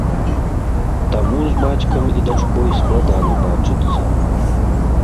Таму з бацькам і дачкой складана бачыцца.